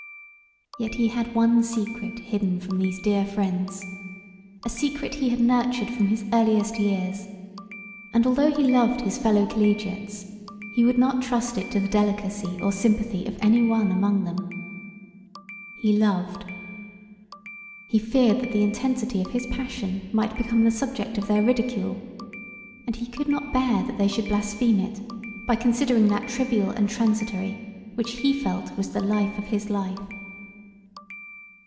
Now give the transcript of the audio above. Yet he had one secret hidden from these dear friends; a secret he had nurtured from his earliest years, and although he loved his fellow collegiates he would not trust it to the delicacy or sympathy of any one among them. He loved. He feared that the intensity of his passion might become the subject of their ridicule; and he could not bear that they should blaspheme it by considering that trivial and transitory which he felt was the life of his life.